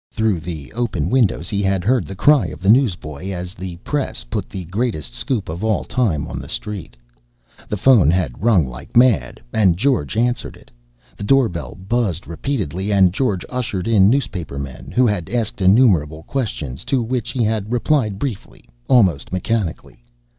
Through the open windows he had heard the cry of the newsboy as the Press put the greatest scoop of all time on the street. The phone had rung like mad and George answered it. The doorbell buzzed repeatedly and George ushered in newspapermen who had asked innumerable questions, to which he had replied briefly, almost mechanically.